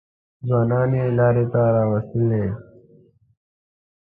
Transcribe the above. ځوانان یې لارې ته راوستلي.